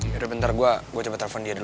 yaudah bentar gue coba telfon dia dulu